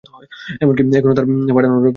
এমন-কি, এখনো তার পাঠানুরাগ রয়েছে প্রবল।